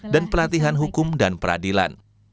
dan pelatihan hukum dan peradilan